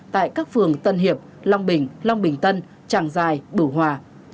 tại các phường tân hiệp long bình long bình tân tràng giai bửu hòa